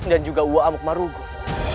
dan juga uwa amuk marugung